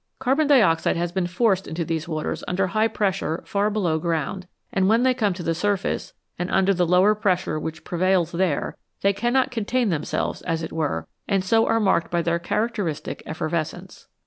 Carbon dioxide has been forced into these waters under high pressure far below ground, and when they come to the surface and under the lower pressure which prevails there they cannot contain them selves, as it were, and so are marked by their characteristic effervescence.